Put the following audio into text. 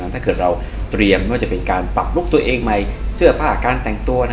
ถ้าเกิดเราเตรียมว่าจะเป็นการปรับลุคตัวเองใหม่เสื้อผ้าการแต่งตัว